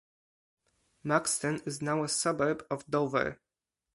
Maxton is now a suburb of Dover.